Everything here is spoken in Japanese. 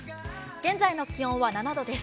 現在の気温は７度です。